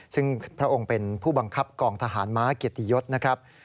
ซึ่งพระองค์เป็นผู้บังคับกองทหารม้าเกียรติยศนะครับ